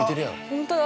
◆本当だ。